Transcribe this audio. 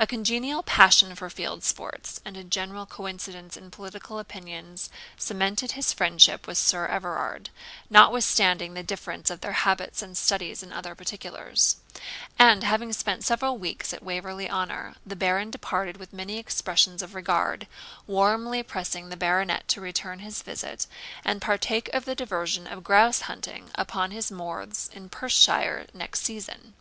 A congenial passion for field sports, and a general coincidence in political opinions, cemented his friendship with Sir Everard, notwithstanding the difference of their habits and studies in other particulars; and, having spent several weeks at Waverley Honour, the Baron departed with many expressions of regard, warmly pressing the Baronet to return his visit, and partake of the diversion of grouse shooting, upon his moors in Perthshire next season.